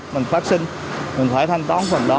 mình phát sinh mình phải thanh toán phần đó